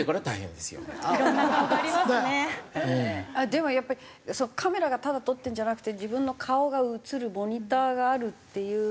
でもやっぱりカメラがただ撮ってるんじゃなくて自分の顔が映るモニターがあるっていうのは。